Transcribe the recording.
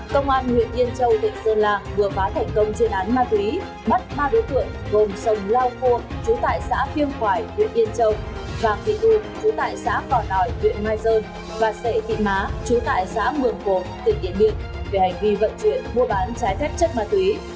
công an nguyễn yên châu tỉnh sơn lạc vừa phá thành công chiến án ma túy bắt ba đối tượng gồm sông lao khô chú tại xã phiêng khoải nguyễn yên châu và thị ưu chú tại xã hòa nội nguyễn mai sơn và xệ thị má chú tại xã nguồn cổ tỉnh yên điện về hành vi vận chuyển mua bán trái thép chất ma túy